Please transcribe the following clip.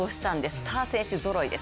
スター選手ぞろいです。